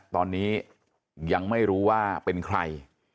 ตอนนี้ยังไม่รู้ว่าเป็นใคร